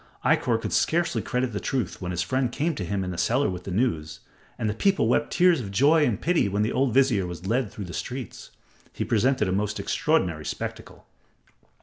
Ikkor could scarcely credit the truth when his friend came to him in the cellar with the news, and the people wept tears of joy and pity when the old vizier was led through the streets. He presented a most extraordinary spectacle.